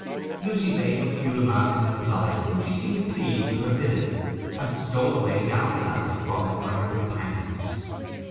Lucy made but few remarks in reply, though she seemed pleased with her visit, and stole away down the ladder, followed by her companions.